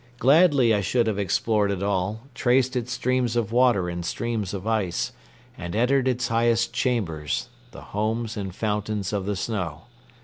Gladly I should have explored it all, traced its streams of water and streams of ice, and entered its highest chambers, the homes and fountains of the snow.